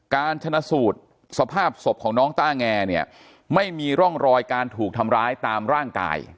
การชนะสูตรสภาพศพของน้องต้าแงเนี่ยไม่มีร่องรอยการถูกทำร้ายตามร่างกาย